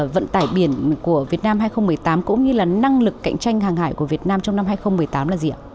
vận tải biển của việt nam hai nghìn một mươi tám cũng như là năng lực cạnh tranh hàng hải của việt nam trong năm hai nghìn một mươi tám là gì ạ